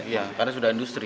iya karena sudah industri